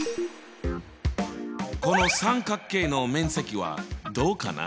この三角形の面積はどうかな？